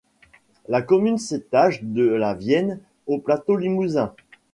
La commune s'étage de la Vienne au plateau limousin.